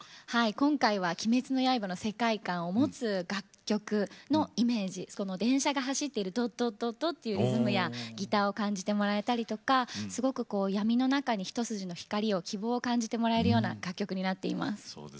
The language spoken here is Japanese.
今回は「鬼滅の刃」の世界観を持つ楽曲のイメージ電車が走る、どどどというリズムやギターを感じてもらえたり闇の中に一筋の希望光を感じてもらえる楽曲になっています。